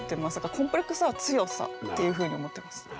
コンプレックスは強さっていうふうに思っています。